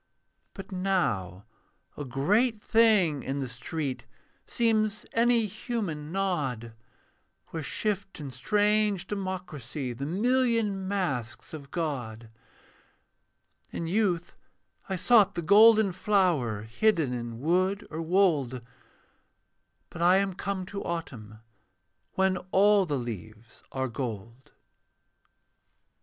But now a great thing in the street Seems any human nod, Where shift in strange democracy The million masks of God. In youth I sought the golden flower Hidden in wood or wold, But I am come to autumn, When all the leaves are gold.